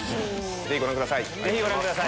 ぜひご覧ください。